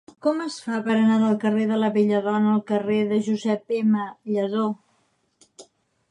Com es fa per anar del carrer de la Belladona al carrer de Josep M. Lladó?